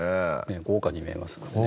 豪華に見えますのでね